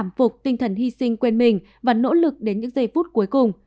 cảm phục tinh thần hy sinh quên mình và nỗ lực đến những giây phút cuối cùng